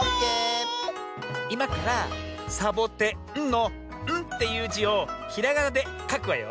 いまからさぼてんの「ん」っていう「じ」をひらがなでかくわよ。